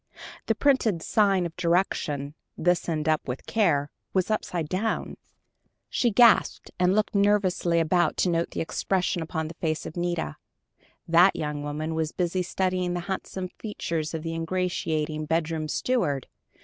The printed sign of direction, "This End up with Care," were upside down! She gasped, and looked nervously about to note the expression upon the face of Nita. That young woman was busy studying the handsome features of the ingratiating bedroom steward.